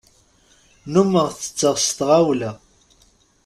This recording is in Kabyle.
Nnumeɣ tetteɣ s tɣawla.